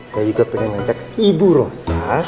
saya juga pengen ngajak ibu rosa